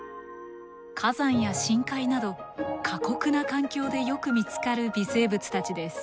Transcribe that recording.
火山や深海など過酷な環境でよく見つかる微生物たちです。